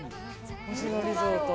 星野リゾート。